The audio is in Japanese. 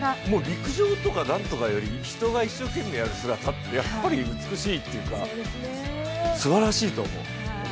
陸上とかなんとかより、人が一生懸命やる姿ってやっぱり美しいっていうかすばらしいと思う。